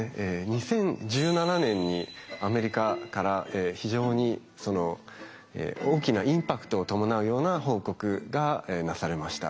２０１７年にアメリカから非常に大きなインパクトを伴うような報告がなされました。